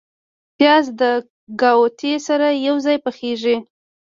پیاز د ګاوتې سره یو ځای پخیږي